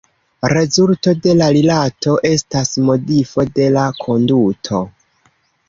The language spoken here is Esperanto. Rezulto de la rilato estas modifo de la konduto.